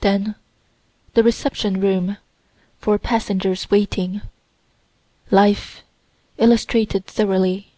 Then the reception room, for passengers waiting life illustrated thoroughly.